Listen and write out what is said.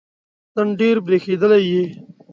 نن ډېر برېښېدلی یې